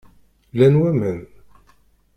Llan waman?